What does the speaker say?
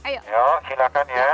yuk silakan ya